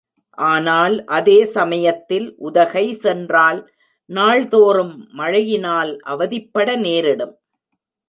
ஆனால் அதே சமயத்தில் உதகை சென்றால் நாள் தோறும் மழையினால் அவதிப்பட நேரிடும்.